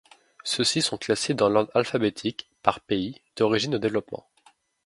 Ceux-ci sont classés dans l'ordre alphabétique, par pays d'origine de développement.